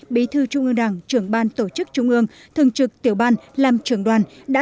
bí thư trung ương đảng trưởng ban tổ chức trung ương thường trực tiểu ban làm trưởng đoàn đã